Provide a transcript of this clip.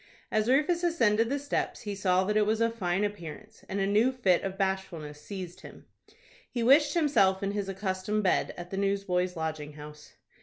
As Rufus ascended the steps, he saw that it was of fine appearance, and a new fit of bashfulness seized him. He wished himself in his accustomed bed at the Newsboys' Lodging House.